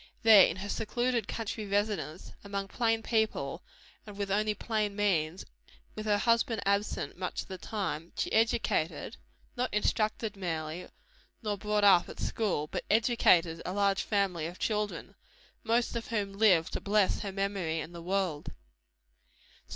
There, in her secluded country residence, among plain people, and with only plain means, with her husband absent much of the time, she educated not instructed, merely, nor brought up at school, but educated a large family of children, most of whom live to bless her memory and the world.